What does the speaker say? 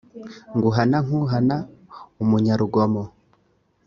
nguhana nk uhana umunyarugomo